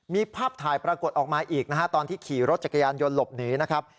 มีภาพถ่ายปรากฏออกมาอีกนะฮะตอนที่ขี่รถจักรยานยนต์หลบหนีนะครับ